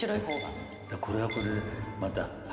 これはこれでまた。